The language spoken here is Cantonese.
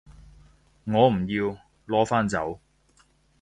我唔要，攞返走